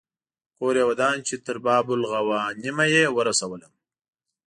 کور یې ودان چې تر باب الغوانمه یې ورسولم.